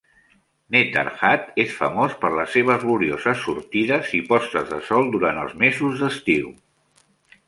Netarhat és famós per les seves glorioses sortides i postes de sol durant els mesos d'estiu.